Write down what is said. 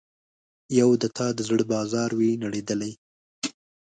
یو د تا د زړه بازار وي نړیدلی